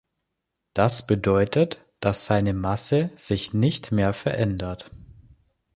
Das bedeutet, dass seine Masse sich nicht mehr verändert.